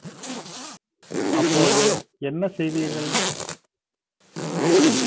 அப்போது என்ன செய்வீர்கள்?